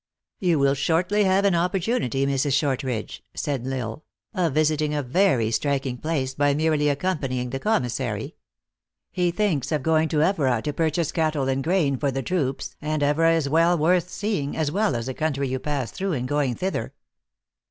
" You will shortly have an opportunity, Mrs. Short ridgfy," said L Isle, " of visiting a very striking place by merely accompanying the commissary. Lie thinks of going to Evora to purchase cattle and grain for the troops, and Evora is well worth seeing, /is well as the country you pass through in going thither."